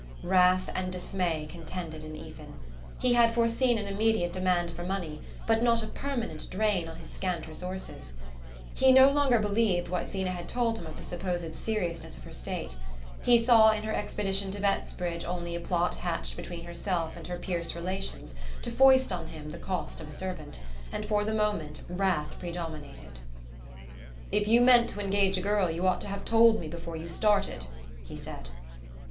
Wrath and dismay contended in Ethan. He had foreseen an immediate demand for money, but not a permanent drain on his scant resources. He no longer believed what Zeena had told him of the supposed seriousness of her state: he saw in her expedition to Bettsbridge only a plot hatched between herself and her Pierce relations to foist on him the cost of a servant; and for the moment wrath predominated. "If you meant to engage a girl you ought to have told me before you started," he said.